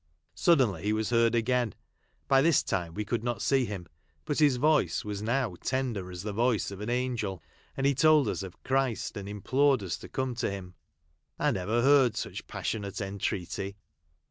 Suddenly he Avas heard again ; by this time we could not see him ; but his A i iicc Avas noAv tender as the voice of an angel, and he told us of Christ and implored us to come to Him. I never heard such pas sionate entreaty.